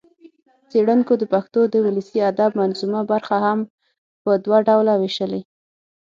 څېړنکو د پښتو د ولسي ادب منظومه برخه هم په دوه ډوله وېشلې